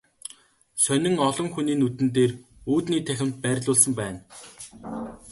Сонин олон хүний нүдэн дээр үүдний танхимд байрлуулсан байна.